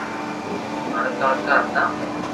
مارا ڪاڪا ھتا